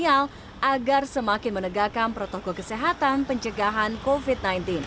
agar semakin menegakkan protokol kesehatan pencegahan covid sembilan belas